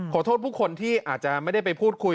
ขอโทษผู้คนที่อาจจะไม่ได้ไปพูดคุย